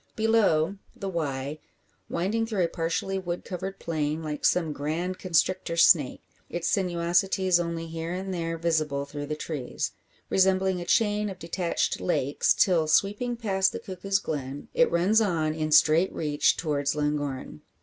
Below, the Wye, winding through a partially wood covered plain, like some grand constrictor snake; its sinuosities only here and there visible through the trees, resembling a chain of detached lakes till sweeping past the Cuckoo's Glen, it runs on in straight reach towards Llangorren.